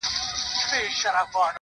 زما پښتون زما ښايسته اولس ته ـ